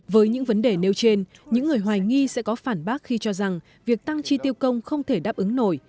với những vấn đề nêu trên những người hoài nghi sẽ có phản bác khi cho rằng việc tăng chi tiêu công không thể đáp ứng nổi